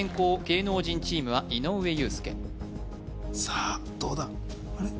芸能人チームは井上裕介さあどうだあれ？